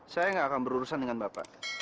saya nggak akan berurusan dengan bapak